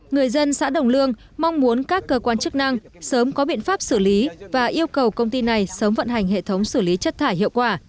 người dân xã đồng lương mong muốn các cơ quan chức năng sớm có biện pháp xử lý và yêu cầu công ty này sớm vận hành hệ thống xử lý chất thải hiệu quả